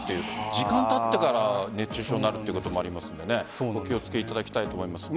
時間がたってから熱中症になるということもありますのでお気を付けいただきたいと思います。